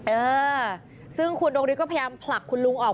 เออซึ่งคุณดงฤทธิ์พยายามผลักคุณลุงออก